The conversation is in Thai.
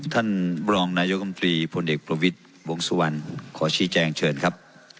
ท่านบรองนายกำตรีผลเด็กประวิทธิ์วงศ์สุวรรณขอชี้แจ้งเชิญครับ